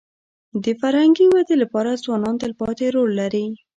د فرهنګي ودي لپاره ځوانان تلپاتې رول لري.